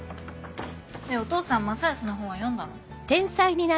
お父さん正恭の本は読んだの？